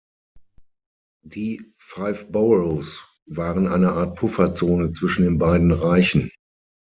Die „Five Boroughs“ waren eine Art Pufferzone zwischen den beiden Reichen.